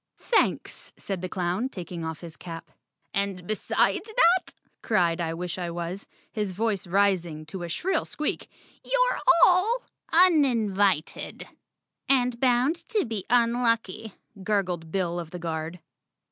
"Thanks!" said the clown, taking off his cap. "And besides that," cried I wish I was, his voice ris¬ ing to a shrill squeak, "you're all uninvited." "And bound to be unlucky," gurgled Bill of the Guard.